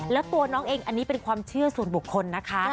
แล้วตัวน้องเองอันนี้เป็นความเชื่อส่วนบุคคลนะคะ